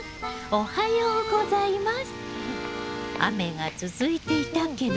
おはようございます。